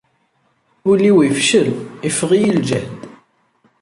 Ul-iw ifcel, iffeɣ-iyi lǧehd.